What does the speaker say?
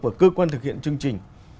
và cơ quan thực hiện chương trình